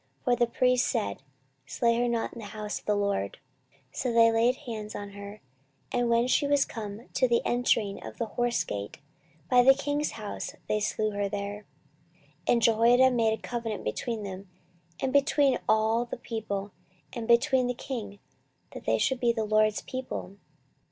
For the priest said, Slay her not in the house of the LORD. 14:023:015 So they laid hands on her; and when she was come to the entering of the horse gate by the king's house, they slew her there. 14:023:016 And Jehoiada made a covenant between him, and between all the people, and between the king, that they should be the LORD's people.